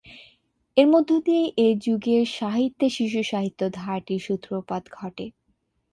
এর মধ্য দিয়েই এই যুগে সাহিত্যে শিশুসাহিত্য ধারাটির সূত্রপাত ঘটে।